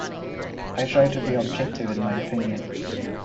I try to be objective in my opinion.